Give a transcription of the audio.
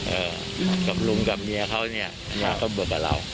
กับลุงกับเมียเขาเนี่ยก็เบิกกับเรา